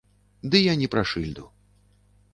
Ды я не пра шыльду.